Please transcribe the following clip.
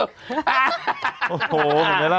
โอ้โหเห็นไหมล่ะ